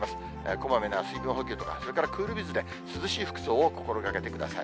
こまめな水分補給とか、それからクールビズで、涼しい服装を心がけてください。